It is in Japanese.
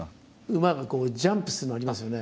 馬がジャンプするのありますよね。